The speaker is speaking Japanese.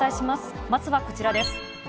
まずはこちらです。